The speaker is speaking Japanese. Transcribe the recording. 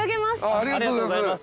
ありがとうございます。